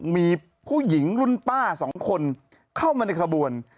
มีผู้หญิงรุ่นป้าสองคนเข้ามาในขบวน